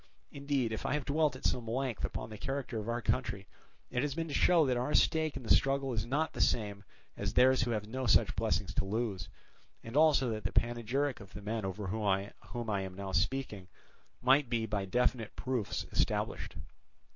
"Indeed if I have dwelt at some length upon the character of our country, it has been to show that our stake in the struggle is not the same as theirs who have no such blessings to lose, and also that the panegyric of the men over whom I am now speaking might be by definite proofs established.